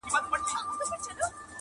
یار اخیستی همېشه د ښکلو ناز دی,